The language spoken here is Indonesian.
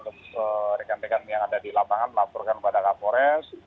rekan rekan yang ada di lapangan melaporkan pada kapolres